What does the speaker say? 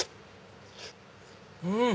うん！